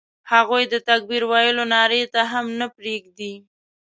هغوی د تکبیر ویلو نارې ته هم نه پرېږدي.